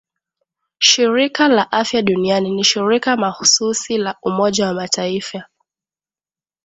shirika la afya duniani ni shirika makhsusi la Umoja wa Mataifa